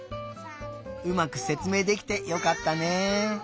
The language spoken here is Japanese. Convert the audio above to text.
うまくせつめいできてよかったね。